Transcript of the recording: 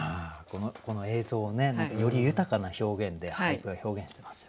この映像をねより豊かな表現で俳句が表現してますよね。